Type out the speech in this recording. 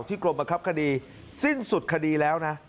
กรมบังคับคดีสิ้นสุดคดีแล้วนะ